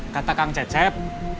kata kang cecer